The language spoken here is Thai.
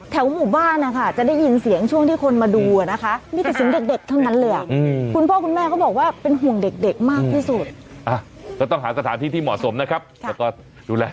แถวหมู่บ้านนะคะจะได้ยินเสียงช่วงที่คนมาดูอ่ะนะคะมีแต่สิ่งเด็กเท่านั้นเลยอ่ะ